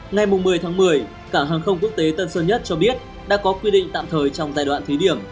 ngày một mươi tháng một mươi cảng hàng không quốc tế tân sơn nhất cho biết đã có quy định tạm thời trong giai đoạn thí điểm